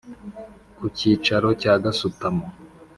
Ku kicaro cya gasutamo.